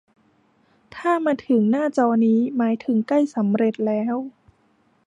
ถ้ามาถึงหน้าจอนี้ หมายถึงใกล้สำเร็จแล้ว